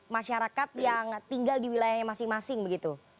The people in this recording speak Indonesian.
masyarakat yang tinggal di wilayahnya masing masing begitu